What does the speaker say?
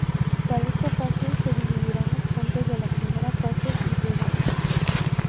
Para esta fase, se dividirán los puntos de la "primera fase" entre dos.